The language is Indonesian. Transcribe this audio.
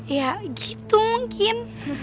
ya gitu mungkin